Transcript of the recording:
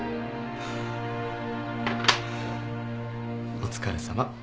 お疲れさま。